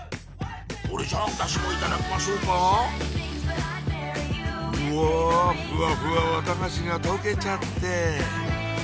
それじゃ私もいただきましょうかうわフワフワ綿菓子が溶けちゃって！